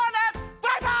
バイバイ！